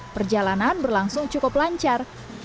perjalanan berlangsung cukup lancar